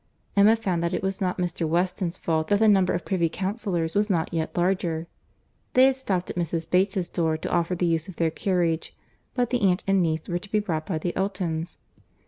Emma found that it was not Mr. Weston's fault that the number of privy councillors was not yet larger. They had stopped at Mrs. Bates's door to offer the use of their carriage, but the aunt and niece were to be brought by the Eltons.